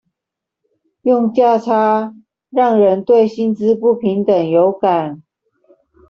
用價差讓人對薪資不平等有感